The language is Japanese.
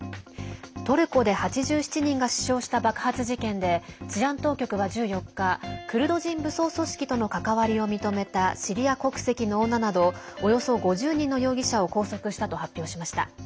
トルコで８７人が死傷した爆発事件で治安当局は１４日クルド人武装組織との関わりを認めたシリア国籍の女などおよそ５０人の容疑者を拘束したと発表しました。